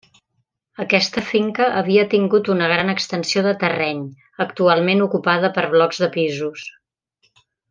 Aquesta finca havia tingut una gran extensió de terreny, actualment ocupada per blocs de pisos.